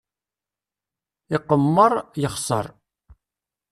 Iqemmer, yexser.